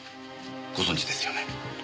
ご存じですよね？